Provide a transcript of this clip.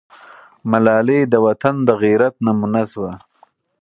ملالۍ د وطن د غیرت نمونه سوه.